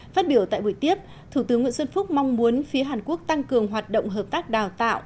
phát biểu tại buổi tiếp thủ tướng nguyễn xuân phúc mong muốn phía hàn quốc tăng cường hoạt động hợp tác đào tạo